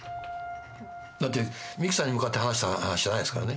だって三木さんに向かって話した話じゃないですからね。